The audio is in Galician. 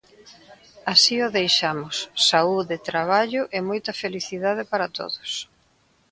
Así o deixamos, saúde, traballo e moita felicidade para todos.